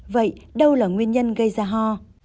vậy đâu là nguyên nhân gây ra ho